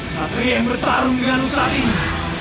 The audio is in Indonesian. satri yang bertarung dengan usahanya